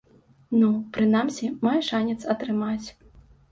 Ну, прынамсі, мае шанец атрымаць.